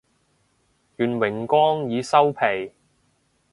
願榮光已收皮